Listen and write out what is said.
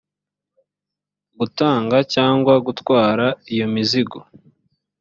gutanga cyangwa gutwara iyo mizigo